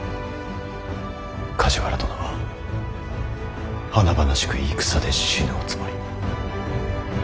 梶原殿は華々しく戦で死ぬおつもり。